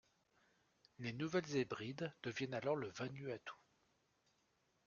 Les Nouvelles-Hébrides deviennent alors le Vanuatu.